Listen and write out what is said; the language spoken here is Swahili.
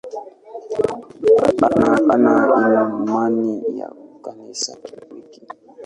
Ana imani ya Kanisa Katoliki.